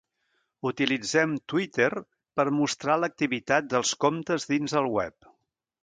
Utilitzem Twitter per mostrar l'activitat dels comptes dins el web.